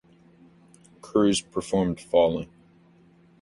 Cruise performed Falling.